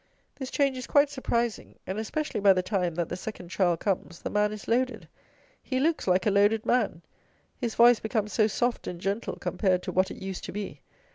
This change is quite surprising, and especially by the time that the second child comes the man is loaded; he looks like a loaded man; his voice becomes so soft and gentle compared to what it used to be.